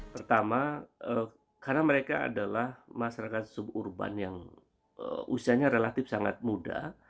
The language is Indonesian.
pertama karena mereka adalah masyarakat suburban yang usianya relatif sangat muda